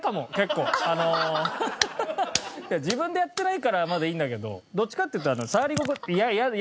自分でやってないからまだいいんだけどどっちかっていったら。